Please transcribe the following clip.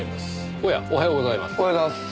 おはようございます。